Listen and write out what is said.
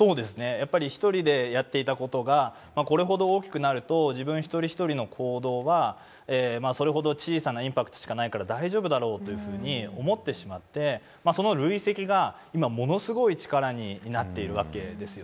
やっぱり一人でやっていたことがこれほど大きくなると自分一人一人の行動はそれほど小さなインパクトしかないから大丈夫だろうというふうに思ってしまってその累積が今ものすごい力になっているわけですよね。